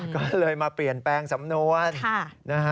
ก็เลยมาเปลี่ยนแปลงสำนวนนะฮะ